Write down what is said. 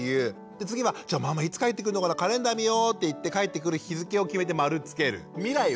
次は「じゃあママいつ帰ってくるのかなカレンダー見よう」って言って帰ってくる日付を決めて丸つける。